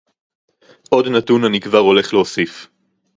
עוד נתון אני כבר הולך להוסיף